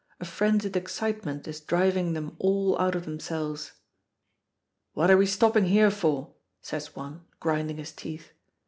A frenzied excitement is driving them all out of themselves. "What are we stopping here for?" says one, grinding his teeth.